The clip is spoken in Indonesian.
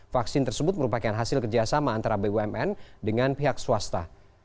vaksin tersebut merupakan hasil kerjasama antara bumn dengan pihak swasta